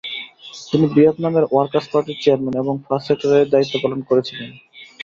তিনি ভিয়েতনামের ওয়ার্কার্স পার্টির চেয়ারম্যান এবং ফার্স্ট সেক্রেটারির দায়িত্ব পালন করেছিলেন।